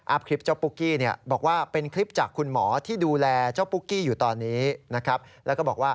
คลิปเจ้าปุ๊กกี้เนี่ยบอกว่าเป็นคลิปจากคุณหมอที่ดูแลเจ้าปุ๊กกี้อยู่ตอนนี้นะครับแล้วก็บอกว่า